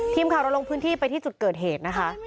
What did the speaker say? ทีมข่าวเราลงพื้นที่ไปที่จุดเกิดเหตุนะคะ